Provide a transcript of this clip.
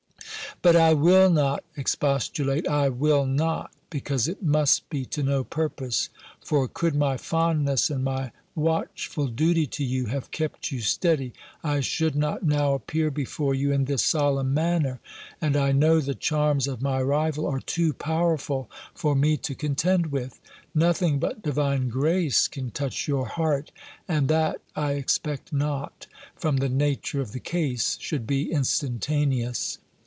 "But I will not expostulate: I will not, because it must be to no purpose; for could my fondness, and my watchful duty to you, have kept you steady, I should not now appear before you in this solemn manner: and I know the charms of my rival are too powerful for me to contend with. Nothing but divine grace can touch your heart: and that I expect not, from the nature of the case, should be instantaneous.